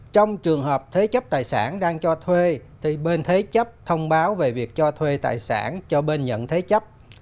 trong trường hợp thế chấp tài sản đang cho thuê thì bên thế chấp thông báo về việc cho thuê tài sản cho bên nhận thế chấp